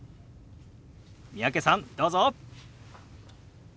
三宅さんどうぞ！